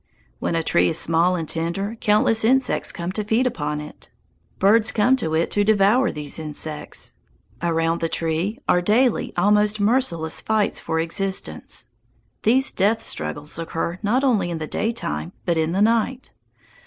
When a tree is small and tender, countless insects come to feed upon it. Birds come to it to devour these insects. Around the tree are daily almost merciless fights for existence. These death struggles occur not only in the daytime, but in the night.